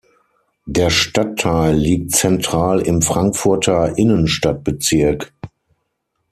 Der Stadtteil liegt zentral im Frankfurter Innenstadtbezirk.